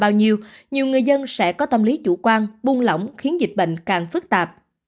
bao nhiêu nhiều người dân sẽ có tâm lý chủ quan buông lỏng khiến dịch bệnh càng phức tạp